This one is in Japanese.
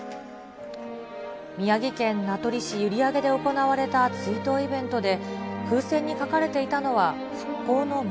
宮城県名取市閖上で行われた追悼イベントで、風船に書かれていた